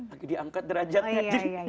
lagi diangkat derajatnya